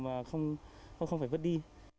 mà không phải vứt đi